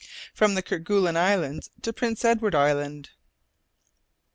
FROM THE KERGUELEN ISLES TO PRINCE EDWARD ISLAND.